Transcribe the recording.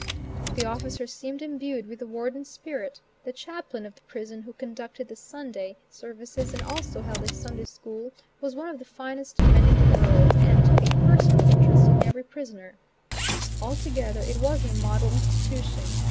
The officers seemed imbued with the warden's spirit; the chaplain of the prison, who conducted the Sunday, services and also held a Sunday school, was one of the finest men in the world, and took a personal interest in every prisoner. Altogether, it was a model institution.